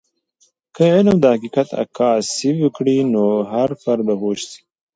که علم د حقیقت عکاسي وکړي، نو هر فرد به پوه سي.